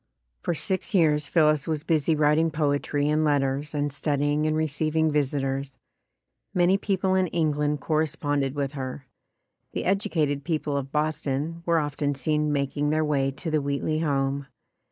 For six years Phillis was busy writing poetry and letters and studying and receiving visitors. Many people in England corresponded with her. The educated people of Boston were often seen making their way to the Wheatley home.